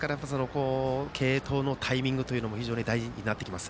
継投のタイミングも非常に大事になってきます。